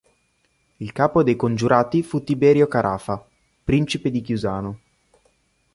Il capo dei congiurati fu Tiberio Carafa, principe di Chiusano.